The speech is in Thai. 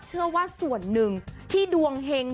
เชื่อว่าส่วนหนึ่งที่ดวงเฮง